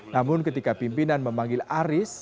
namun ketika pimpinan memanggil aris